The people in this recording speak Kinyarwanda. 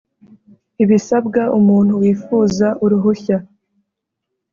ibisabwa umuntu wifuza uruhushya